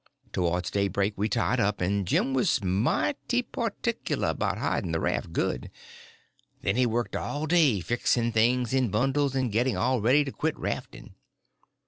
Towards daybreak we tied up, and Jim was mighty particular about hiding the raft good. Then he worked all day fixing things in bundles, and getting all ready to quit rafting.